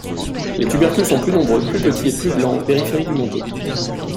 Les tubercules sont plus nombreux, plus petits et plus blancs en périphérie du manteau.